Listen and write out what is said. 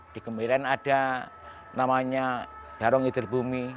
di kemiren ada namanya barong hidir bumi